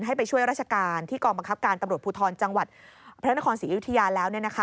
ให้ไปช่วยราชการที่กองบังคับการตำรวจภูทรจังหวัดพระนครศรีอยุธยาแล้ว